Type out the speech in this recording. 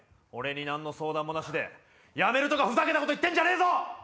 俺に何の相談もなしでやめるとかふざけたこと言ってんじゃねえ！